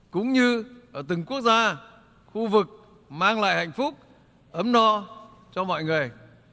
cũng như ở từng quốc gia khu vực mang lại hạnh phúc ấm no cho mọi người